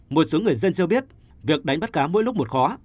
một số người dân cho biết việc đánh bắt cá mỗi lúc một khó